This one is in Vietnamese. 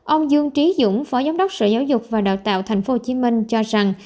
ông dương trí dũng phó giám đốc sở giáo dục và đào tạo tp hcm cho rằng